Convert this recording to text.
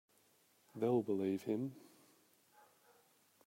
They'll believe him.